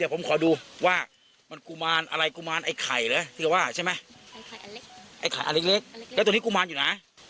โอ้โหตลอดสัปดาห์ทองอารวาสเหลือเกิน